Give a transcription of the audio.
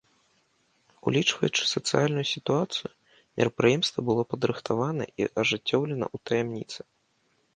Улічваючы сацыяльную сітуацыю, мерапрыемства было падрыхтавана і ажыццёўлена ў таямніцы.